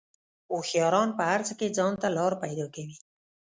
هوښیاران په هر څه کې ځان ته لار پیدا کوي.